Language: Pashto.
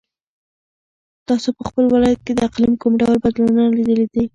تاسو په خپل ولایت کې د اقلیم کوم ډول بدلونونه لیدلي دي؟